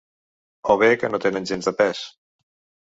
O bé que no tenen gens de pes.